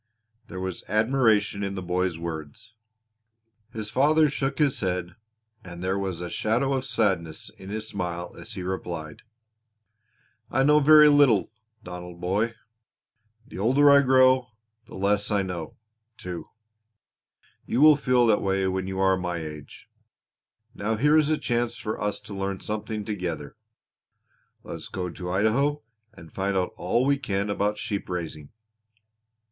There was admiration in the boy's words. His father shook his head and there was a shadow of sadness in his smile as he replied: "I know very little, Donald boy. The older I grow the less I know, too. You will feel that way when you are my age. Now here is a chance for us to learn something together. Let's go to Idaho and find out all we can about sheep raising."